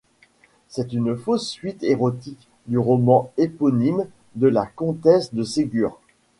C'est une fausse suite érotique du roman éponyme de la Comtesse de Ségur.